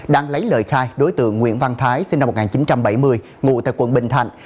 đang lấy lời khai đối tượng nguyễn văn thái sinh năm một nghìn chín trăm bảy mươi ngụ tại quận bình thạnh